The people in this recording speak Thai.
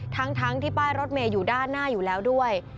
ทั้งที่ป้ายรถเมย์อยู่ด้านหน้าอยู่แล้วด้วย